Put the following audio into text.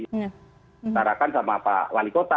ditarakan sama pak wali kota